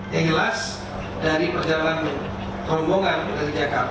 yang jelas dari perjalanan rombongan dari jakarta